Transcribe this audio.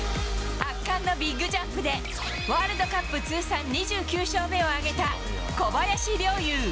圧巻のビッグジャンプで、ワールドカップ通算２９勝目を挙げた小林陵侑。